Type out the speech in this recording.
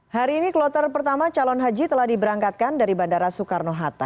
hari ini kloter pertama calon haji telah diberangkatkan dari bandara soekarno hatta